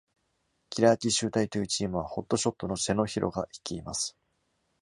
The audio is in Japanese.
キラー奇襲隊というチームは、ホットショットのセノ・ヒロが率います。